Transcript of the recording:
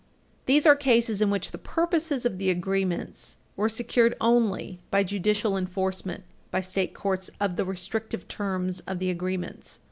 These are cases in which the purposes of the agreements were secured only by judicial enforcement by state courts of the restrictive Page 334 U. S. 14 terms of the agreements.